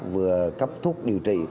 vừa cắp thuốc điều trị